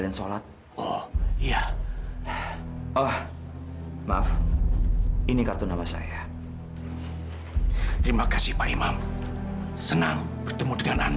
dan besok pagi kita harus pergi ke jam jam pemeriksaan